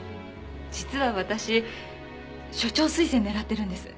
実は私署長推薦狙ってるんです。